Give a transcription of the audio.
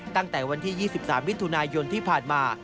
ตั้งแต่วันที่๒๓มิถุนายนที่ผ่านมา